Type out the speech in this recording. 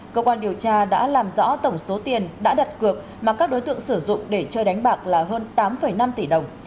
cơ quan điều tra đã làm rõ tổng số tiền đã đặt cược mà các đối tượng sử dụng để chơi đánh bạc là hơn tám năm tỷ đồng